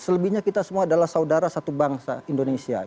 selebihnya kita semua adalah saudara satu bangsa indonesia